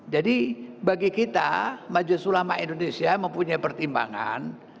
jadi bagi kita majlis sulama indonesia mempunyai pertimbangan